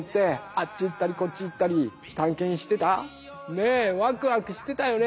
ねえワクワクしてたよね